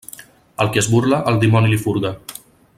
El qui es burla, el dimoni li furga.